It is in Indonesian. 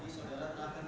itu di ranggung